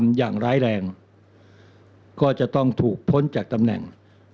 อย่างร้ายแรงก็จะต้องถูกพ้นจากตำแหน่ง